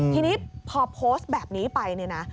ทีนี้พอโพสต์แบบนี้ไป